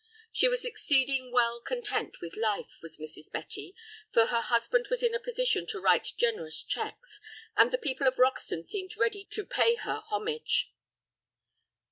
She was exceeding well content with life, was Mrs. Betty, for her husband was in a position to write generous checks, and the people of Roxton seemed ready to pay her homage.